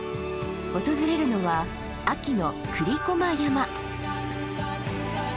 訪れるのは秋の栗駒山。